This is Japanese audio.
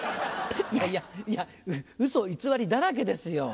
いやいやウソ偽りだらけですよ。